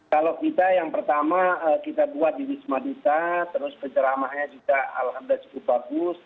kalau kita yang pertama kita buat di wisma duta terus penceramahnya juga alhamdulillah cukup bagus